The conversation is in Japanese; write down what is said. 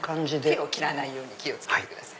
手を切らないようにしてください。